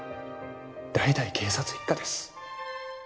代々警察一家です